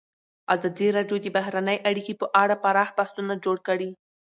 ازادي راډیو د بهرنۍ اړیکې په اړه پراخ بحثونه جوړ کړي.